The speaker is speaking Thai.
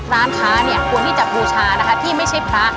ร้านค้าควรที่จะบูชาที่ไม่ใช่พระ